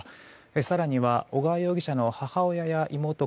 更には小川容疑者の母親や妹は